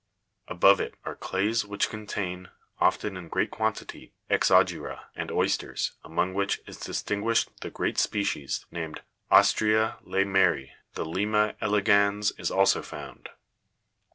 Above it are clays which con tain, often in great quantity, ex'ogy'ra (Jig' 115), and oysters, among which is distinguished the great species, named Ostrea Leymerii ; the Lima elegans (Jig 116) is also found.